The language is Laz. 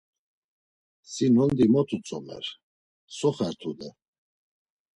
Si nondi mot utzomer, so xer tude?